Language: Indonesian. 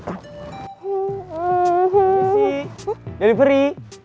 permisi dari peri